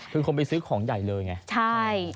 คือคนไปซื้อของใหญ่เลยไงใช่